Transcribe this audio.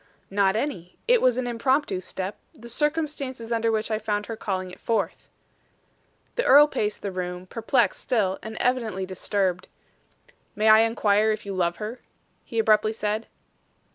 "Not any. It was an impromptu step, the circumstances under which I found her calling it forth." The earl paced the room, perplexed still, and evidently disturbed. "May I inquire if you love her?" he abruptly said.